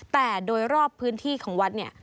แต่โดยรอบพื้นที่ของวัดเนี่ย